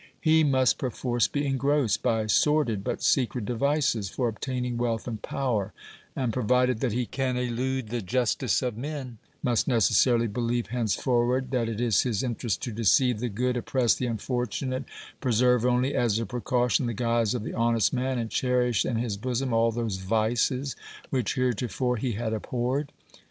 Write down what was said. He must perforce be engrossed by sordid but secret devices for obtaining wealth and power, and, provided that he can elude the justice of men, must necessarily believe hence forward that it is his interest to deceive the good, oppress the unfortunate, preserve only as a precaution the guise of the honest man, and cherish in his bosom all those vices which heretofore he had abhorred.